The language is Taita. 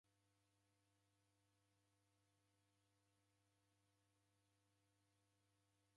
Ighande ndejingia Mlungunyi.